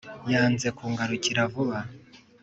yanze kungarukira vuba